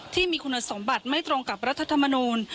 ที่มีคุณสมบัติไม่ตรงกับรัฐธรรมนูล